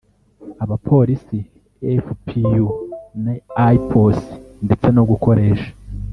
Abapolisi fpu na ipos ndetse no gukoresha